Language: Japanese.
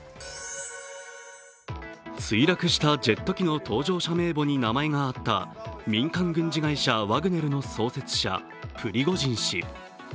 墜落したジェット機の搭乗者名簿に名前があった民間軍事会社ワグネルの創設者・プリゴジン氏。